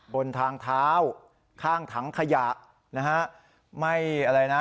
บนทางเท้าข้างถังขยะนะฮะไม่อะไรนะ